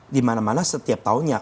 di mana mana setiap tahunnya